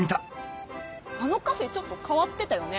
あのカフェちょっと変わってたよね。